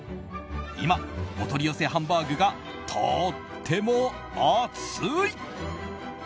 今、お取り寄せハンバーグがとっても熱い！